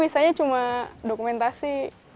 misalnya cuma dokumentasi